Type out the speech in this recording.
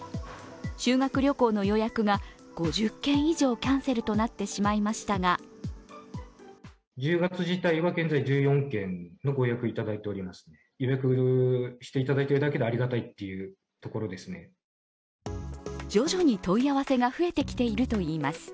修学旅行の予約が５０件以上キャンセルとなってしまいましたが徐々に問い合わせが増えてきているといいます。